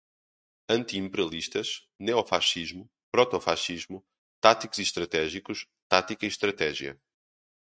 Anti-imperialistas, neofascismo, protofascismo, táticos e estratégicos, tática e estratégia